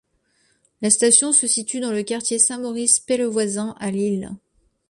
La station se situe dans le quartier Saint-Maurice Pellevoisin à Lille.